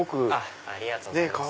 ありがとうございます。